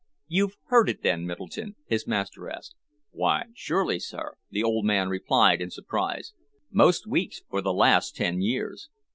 "You've heard it then, Middleton?" his master asked. "Why, surely, sir," the old man replied in surprise. "Most weeks for the last ten years."